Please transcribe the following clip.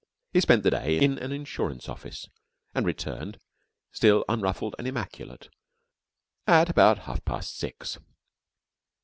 He spent the day in an insurance office and returned, still unruffled and immaculate, at about half past six.